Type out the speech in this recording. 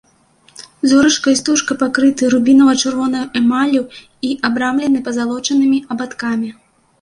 Зорачка і стужка пакрытыя рубінава-чырвонай эмаллю і абрамлены пазалочанымі абадкамі.